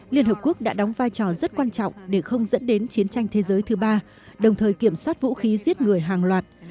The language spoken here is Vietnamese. liên hợp quốc đã đóng vai trò rất quan trọng để không dẫn đến chiến tranh thế giới thứ ba đồng thời kiểm soát vũ khí giết người hàng loạt